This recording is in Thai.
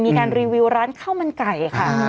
มีการรีวิวร้านข้าวมันไก่ค่ะ